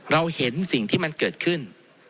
เราเห็นสิ่งที่มันเกิดขึ้น